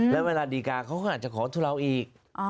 แล้วเวลาดีการเขาก็อาจจะขอทุเลาอีก